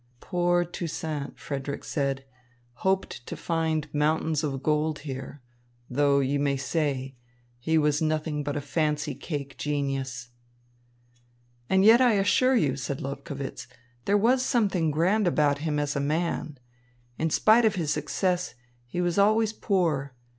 "Poor Toussaint," Frederick said, "hoped to find mountains of gold here, though, you may say, he was nothing but a fancy cake genius." "And yet I assure you," said Lobkowitz, "there was something grand about him as a man. In spite of his success, he was always poor.